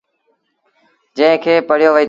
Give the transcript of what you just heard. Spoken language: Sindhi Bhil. جݩهݩ کي پڙهيو وهيٚتو۔